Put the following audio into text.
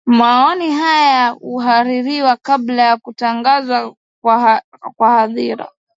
maoni haya uhaririwa kabla ya kutangazwa kwa hadhira